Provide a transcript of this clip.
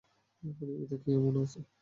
প্রতিযোগিতায় কী এমন আছে?